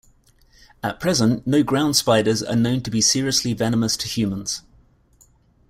At present, no ground spiders are known to be seriously venomous to humans.